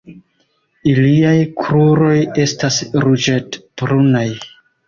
Iliaj kruroj estas ruĝet-brunaj.